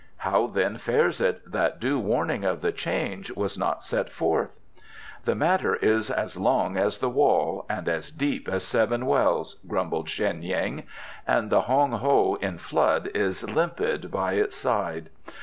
"How then fares it that due warning of the change was not set forth?" "The matter is as long as The Wall and as deep as seven wells," grumbled Sheng yin, "and the Hoang Ho in flood is limpid by its side.